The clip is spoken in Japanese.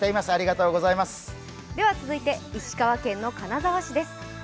続いて石川県金沢市です。